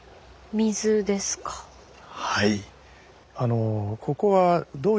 はい。